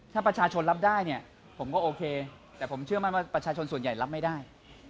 ถ้าประชาชนรับได้เนี่ยผมก็โอเคแต่ผมเชื่อมั่นว่าประชาชนส่วนใหญ่รับไม่ได้